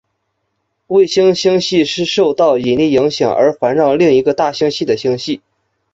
卫星星系是受到引力影响而环绕另一个大星系的星系。